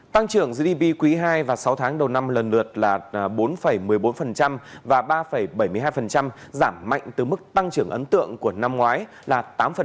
tăng trưởng gdp quý ii và sáu tháng đầu năm lần lượt là bốn một mươi bốn và ba bảy mươi hai giảm mạnh từ mức tăng trưởng ấn tượng của năm ngoái là tám bốn